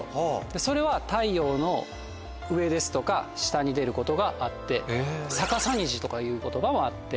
それは太陽の上ですとか下に出ることがあって逆さ虹とかいう言葉もあって。